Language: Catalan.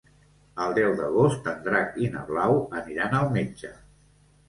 El deu d'agost en Drac i na Blau aniran al metge.